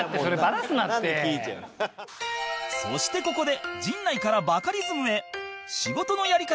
そしてここで